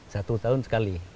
satu tahun sekali